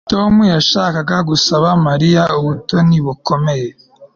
Tom yashakaga gusaba Mariya ubutoni bukomeye